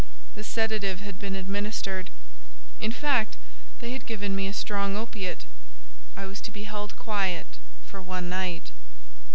the sedative had been administered. In fact, they had given me a strong opiate. I was to be held quiet for one night.